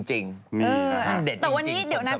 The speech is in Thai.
เหอะฮะเด็ดจริงคนสมัยนี้แต่วันนี้เดี๋ยวนะพี่หนุ่ม